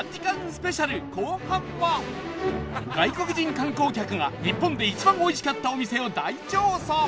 スペシャル後半は外国人観光客が日本で一番美味しかったお店を大調査